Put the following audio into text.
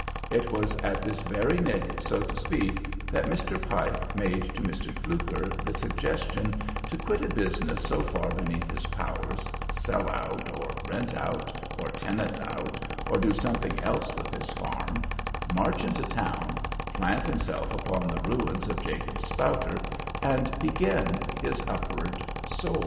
It was at this very nick, so to speak, that Mr. Pike made to Mr. Fluker the suggestion to quit a business so far beneath his powers, sell out, or rent out, or tenant out, or do something else with his farm, march into town, plant himself upon the ruins of Jacob Spouter, and begin his upward soar.